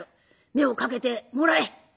目をかけてもらえ。